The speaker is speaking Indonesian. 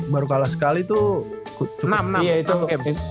baru kalah sekali tuh cuma